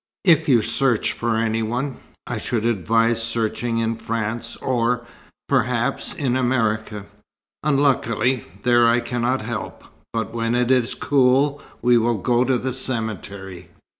If you search for any one, I should advise searching in France or, perhaps, in America. Unluckily, there I cannot help. But when it is cool, we will go to the cemetery.